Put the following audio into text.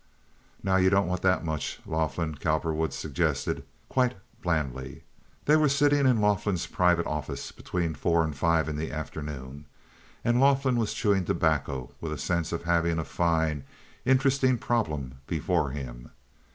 "Now, you don't want that much, Laughlin," Cowperwood suggested, quite blandly. They were sitting in Laughlin's private office between four and five in the afternoon, and Laughlin was chewing tobacco with the sense of having a fine, interesting problem before him.